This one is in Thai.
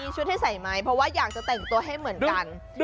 ชุดให้ใส่ไหมเพราะว่าอยากจะแต่งตัวให้เหมือนกัน